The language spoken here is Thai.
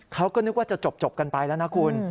เขาก็นึกว่าจะจบกันไปแล้วนะคุณ